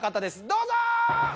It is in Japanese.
どうぞ！